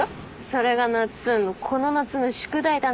それがなっつんのこの夏の宿題だね。